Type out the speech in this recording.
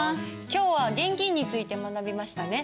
今日は現金について学びましたね。